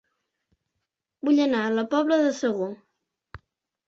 Vull anar a La Pobla de Segur